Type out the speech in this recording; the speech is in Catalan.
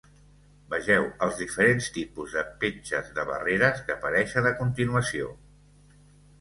Vegeu els diferents tipus de petges de barreres que apareixen a continuació.